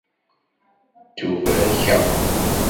Ttubarkeɣ.